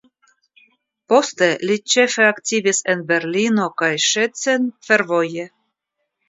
Poste li ĉefe aktivis en Berlino kaj Szczecin fervoje.